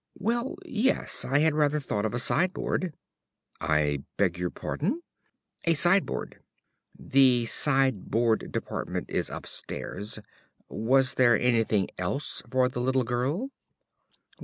"Well, yes. I had rather thought of a sideboard." "I beg your pardon?" "A sideboard." "The Sideboard Department is upstairs. Was there anything else for the little girl?"